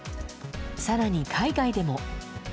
さらに海外でも。